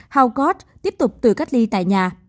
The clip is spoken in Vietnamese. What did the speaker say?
helgort tiếp tục tự cách ly tại nhà